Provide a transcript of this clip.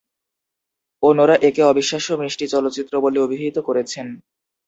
অন্যরা একে "অবিশ্বাস্য মিষ্টি চলচ্চিত্র" বলে অভিহিত করেছেন।